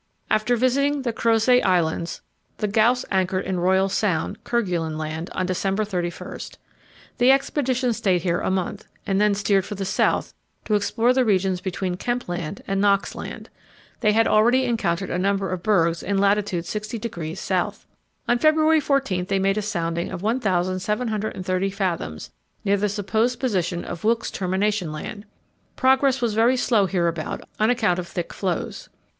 After visiting the Crozet Islands, the Gauss anchored in Royal Sound, Kerguelen Land, on December 31. The expedition stayed here a month, and then steered for the south to explore the regions between Kemp Land and Knox Land. They had already encountered a number of bergs in lat. 60° S. On February 14 they made a sounding of 1,730 fathoms near the supposed position of Wilkes's Termination Land. Progress was very slow hereabout on account of the thick floes.